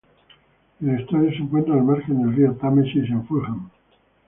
El estadio se encuentra al margen del río Támesis en Fulham.